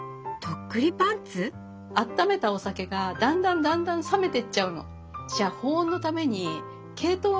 あっためたお酒がだんだんだんだん冷めてっちゃうの。